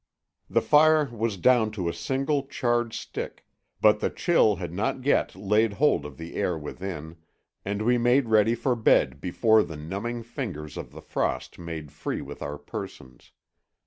The fire was down to a single charred stick, but the chill had not yet laid hold of the air within, and we made ready for bed before the numbing fingers of the frost made free with our persons.